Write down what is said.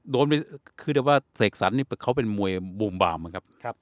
โดนไปคือแต่ว่าเสกสรรค์นี่เขาเป็นมวยบุ่มบามนะครับครับ